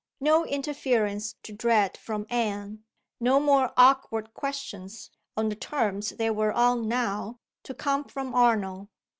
No interference to dread from Anne, no more awkward questions (on the terms they were on now) to come from Arnold.